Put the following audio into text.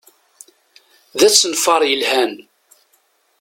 D asenfaṛ yelhan.